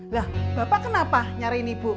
lah bapak kenapa nyariin ibu